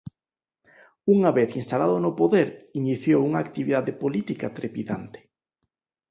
Unha vez instalado no poder iniciou unha actividade política trepidante.